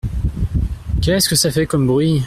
Qu’est-ce que ça fait comme bruit !